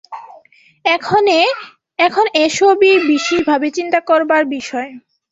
এখন এ-সবই বিশেষভাবে চিন্তা করবার বিষয়।